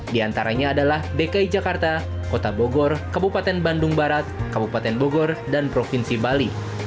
di antaranya adalah dki jakarta kota bogor kabupaten bandung barat kabupaten bogor dan provinsi bali